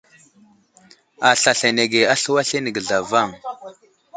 Aslasl anege a slu aslane ge zlavaŋ.